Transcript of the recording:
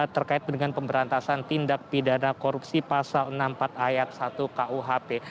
terkait dengan pemberantasan tindak pidana korupsi pasal enam puluh empat ayat satu kuhp